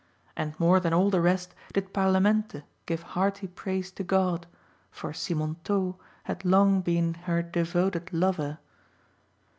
And more than all the rest did Parlamente give hearty praise to God, for Simontault had long been her devoted lover.